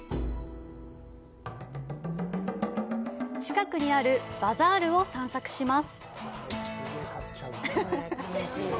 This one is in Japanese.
近くにあるバザールを散策します。